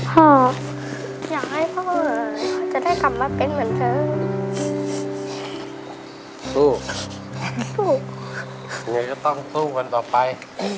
ผมจะคุยกันอย่างไรให้สู่ขนต่อไป